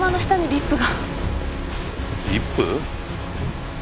リップ？